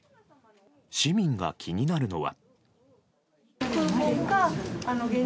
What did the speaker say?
市民が気になるのは。